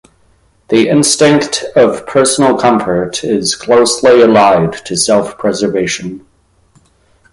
The instinct of personal comfort is closely allied to self-preservation.